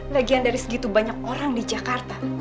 bagian dari segitu banyak orang di jakarta